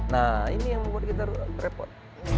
nah ini yang membuat kita repot